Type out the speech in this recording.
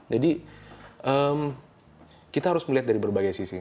jadi kita harus melihat dari berbagai sisi